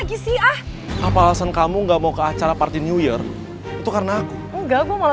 oh sama mantan kamu itu